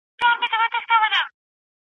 څېړونکو وویل چی د فقر کچه د بدلون په حال کي ده.